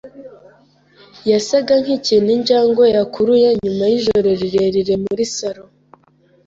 yasaga nkikintu injangwe yakuruye nyuma yijoro rirerire muri salo.